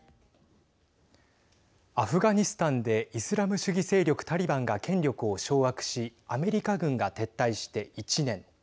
アフガニスタンでイスラム主義勢力タリバンが権力を掌握しアメリカ軍が撤退して１年。